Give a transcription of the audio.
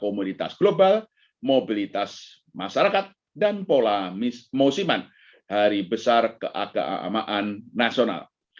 komunitas global mobilitas masyarakat dan pola musiman hari besar keagamaan nasional